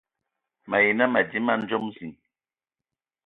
Mayi nə madi man dzom ziŋ.